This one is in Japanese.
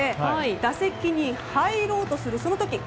打席に入ろうとするその時。